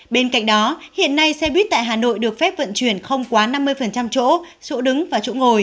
bên cạnh đó hiện nay xe buýt tại hà nội được phép vận chuyển không quá năm mươi chỗ chỗ đứng và chỗ ngồi